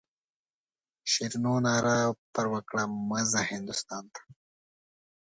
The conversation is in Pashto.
شیرینو ناره پر وکړه مه ځه هندوستان ته.